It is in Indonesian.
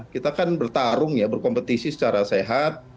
kita kan bertarung ya berkompetisi secara sehat